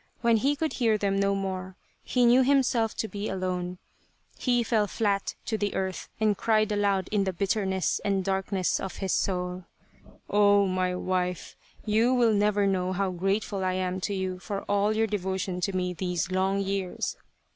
When he could hear them no more, he knew himself to be 169 Tsubosaka alone. He fell flat to the earth and cried aloud in the bitterness and darkness of his soul. " Oh ! my wife, you will never know how grateful I am to you for all your devotion to me these long years.